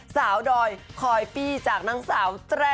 ดอยคอยปี้จากนางสาวแตร่